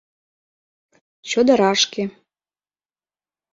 Чодырашке.